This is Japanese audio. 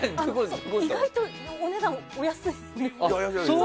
意外とお値段お安い。